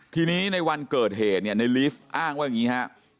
ทีนี้ในวันเกิดเหตุเนี่ยในลีฟอ้างว่าอย่างนี้ฮะ